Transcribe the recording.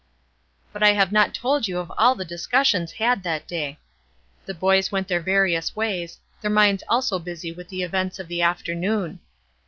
But I have not told you of all the discussions had that day. The boys went their various ways, their minds also busy with the events of the afternoon.